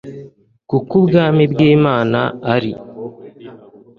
kuko ubwami bw imana ari